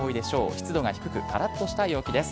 湿度が低く、からっとした陽気です。